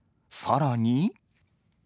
さらに。